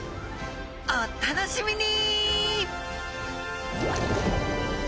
お楽しみに！